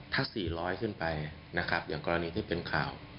ถ้า๔๐๐ขึ้นไปนะครับอย่างกรณีที่เป็นข่าว